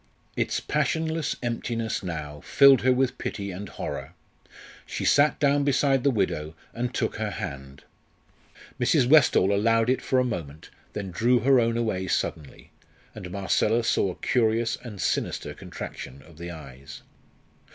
Its passionless emptiness now filled her with pity and horror. She sat down beside the widow and took her hand. Mrs. Westall allowed it for a moment, then drew her own away suddenly, and Marcella saw a curious and sinister contraction of the eyes.